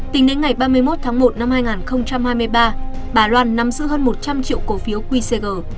tính đến ngày ba mươi một tháng một năm hai nghìn hai mươi ba bà loan nắm giữ hơn một trăm linh triệu cổ phiếu qcg